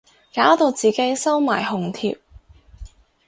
搞到自己收埋紅帖